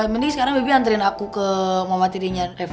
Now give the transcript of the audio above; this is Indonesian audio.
mending sekarang bibi anterin aku ke mama tirinya reva